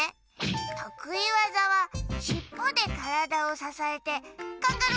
とくいわざはしっぽでからだをささえてカンガルーキック！